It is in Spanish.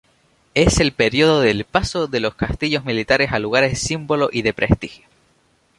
Es el periodo del paso de los castillos militares a lugares-símbolo y de prestigio.